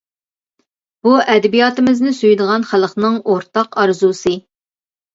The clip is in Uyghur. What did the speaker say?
بۇ ئەدەبىياتىمىزنى سۆيىدىغان خەلقنىڭ ئورتاق ئارزۇسى.